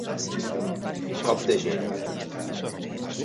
Cop de gent.